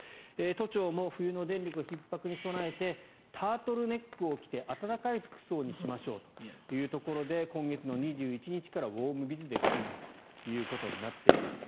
都庁も冬の電力ひっ迫に備えてタートルネックを着て暖かい服装にしましょうというところで今月２１日からウォームビズで勤務ということになっています。